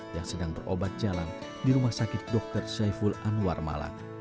yang sedang berobat jalan di rumah sakit dr saiful anwar malang